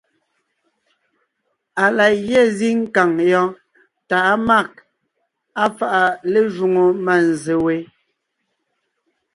Á la gyɛ́ zíŋ kàŋ yɔɔn tà á mâg, á fáʼa lé jwoŋo mânzse we,